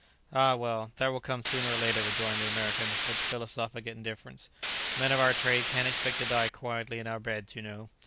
"Ah, well, that will come sooner or later," rejoined the American with philosophic indifference; "men of our trade can't expect to die quietly in our beds, you know.